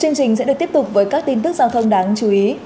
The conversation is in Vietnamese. chương trình sẽ được tiếp tục với các tin tức giao thông đáng chú ý